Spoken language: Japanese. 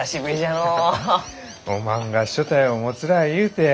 おまんが所帯を持つらあゆうて。